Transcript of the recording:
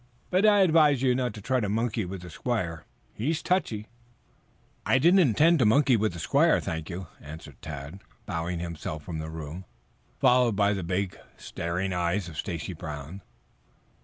But I'd advise you not to try to monkey with the squire. He's touchy." "I don't intend to monkey with the squire, thank you," answered Tad, bowing himself from the room, followed by the big, staring eyes of Stacy Brown.